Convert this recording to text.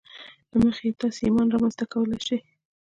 له مخې یې تاسې ایمان رامنځته کولای شئ